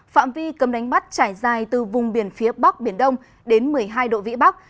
phạm vi cấm đánh bắt trải dài từ vùng biển phía bắc biển đông đến một mươi hai độ vĩ bắc